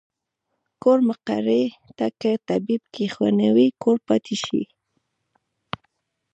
کور مقري ته کۀ طبيب کښېنوې کور پاتې شي